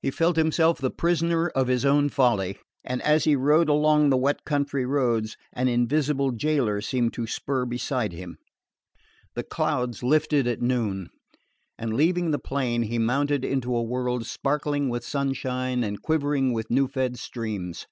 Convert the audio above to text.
He felt himself the prisoner of his own folly, and as he rode along the wet country roads an invisible gaoler seemed to spur beside him. The clouds lifted at noon; and leaving the plain he mounted into a world sparkling with sunshine and quivering with new fed streams.